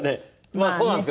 まあそうなんですけど。